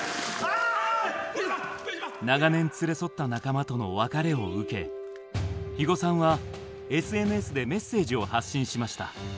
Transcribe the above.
長年連れ添った仲間との別れを受け肥後さんはＳＮＳでメッセージを発信しました。